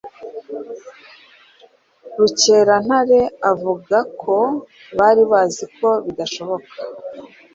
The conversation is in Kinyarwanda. Rukerantare avuga ko bari bazi ko bidashoboka